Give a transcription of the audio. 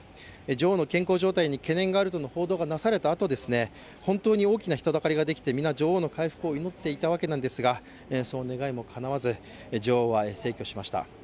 女王の健康状態に懸念があるとの報道がなされたあと、本当に大きな人だかりができて女王の回復を皆、祈っていたわけですがその願いもかなわず女王は逝去しました。